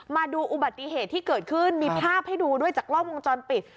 มาดูอุบัติเหตุที่เกิดขึ้นมีภาพให้ดูด้วยจากกล้องวงจรปิด